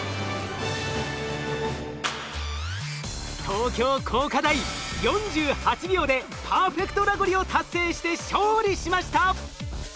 東京工科大４８秒でパーフェクトラゴリを達成して勝利しました！